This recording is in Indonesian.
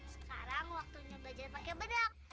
sekarang waktunya belajar pakai bedak